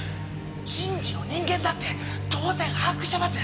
人事の人間だって当然把握してます。